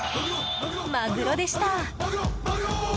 マグロでした！